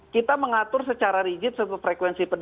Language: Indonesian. kita mengatur secara rigid satu frekuensi